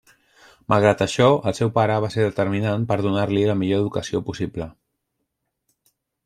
Malgrat això el seu pare va ser determinant per donar-li la millor educació possible.